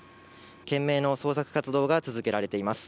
懸命の捜索活動が続けられています。